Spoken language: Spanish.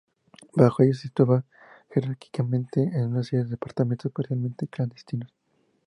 Bajo ellos se situaba jerárquicamente una serie de departamentos, parcialmente clandestinos.